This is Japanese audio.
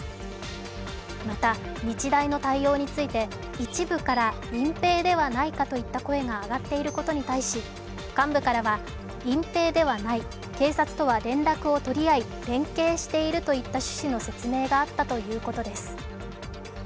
また、日大の対応について一部から、隠蔽ではないかといった声が上がっていることに対し、幹部からは、隠蔽ではない、警察とは連絡を取り合い連携しているといった趣旨の説明があったということです。